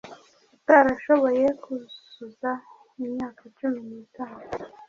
utarashoboye kuzuza imyaka cumi n itanu